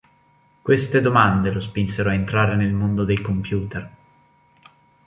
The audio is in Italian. Queste domande lo spinsero a entrare nel mondo dei computer.